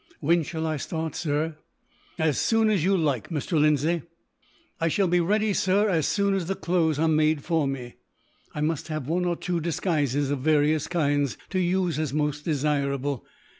"When shall I start, sir?" "As soon as you like, Mr. Lindsay." "I shall be ready, sir, as soon as the clothes are made for me. I must have one or two disguises, of various kinds, to use as most desirable.